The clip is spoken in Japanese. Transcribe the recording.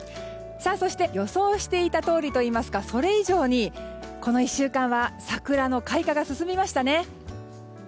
そして予想していたとおりといいますかそれ以上にこの１週間は桜の開花が進みましたね。